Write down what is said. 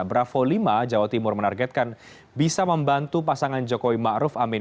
bravo lima jawa timur menargetkan bisa membantu pasangan jokowi ma'ruf amin